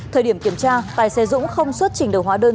thời điểm kiểm tra tài xe dũng không xuất trình đầu hóa đơn